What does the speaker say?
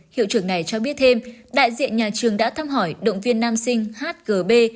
hiệu trưởng này cho biết thêm đại diện nhà trường đã thăm hỏi động viên nam sinh hgb